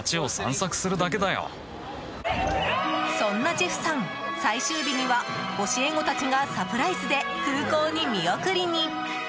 そんなジェフさん最終日には教え子たちがサプライズで空港に見送りに。